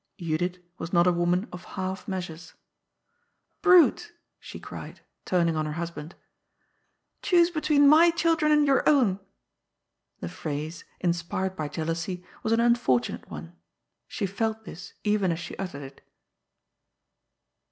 Judith was not a woman of half measures* 46 GOD'S POOL. " Brate !'' she cried, turning on her husband. " Choose between my children and your own." The phrase, inspired by jealousy, was an unfortunate one. She felt this, even as she uttered it.